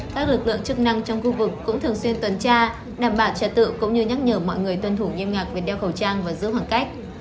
các lực lượng chức năng trong khu vực cũng thường xuyên tuần tra đảm bảo trả tự cũng như nhắc nhở mọi người tuân thủ nghiêm ngạc việc đeo khẩu trang và giữ hoàn cách